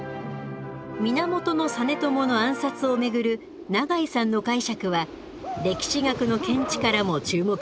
源実朝の暗殺を巡る永井さんの解釈は歴史学の見地からも注目されます。